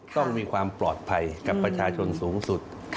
ต้องมีความปลอดภัยกับประชาชนสูงสุด